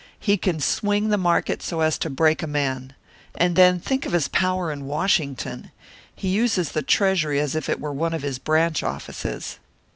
He can swing the market so as to break a man. And then, think of his power in Washington! He uses the Treasury as if it were one of his branch offices."